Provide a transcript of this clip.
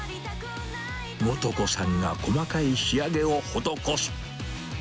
素子さんが細かい仕上げを施す。